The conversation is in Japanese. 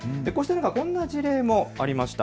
こんな事例もありました。